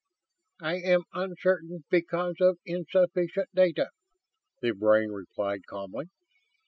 "I am uncertain because of insufficient data," the brain replied, calmly.